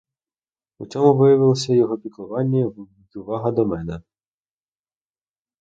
У цьому виявилося його піклування й увага до мене.